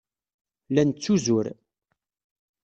La nettuzur.